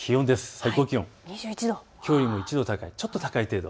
最高気温きょうよりも１度高いちょっと高い程度。